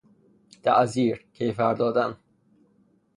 تعزیر، کیفر دادن